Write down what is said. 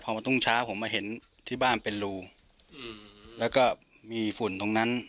พอมารุ่งเช้าผมมาเห็นที่บ้านเป็นรูแล้วก็มีฝุ่นตรงนั้น